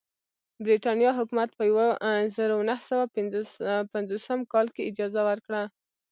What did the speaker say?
برېټانیا حکومت په یوه زرو نهه سوه پنځه پنځوسم کال کې اجازه ورکړه.